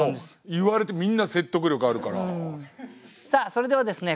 それではですね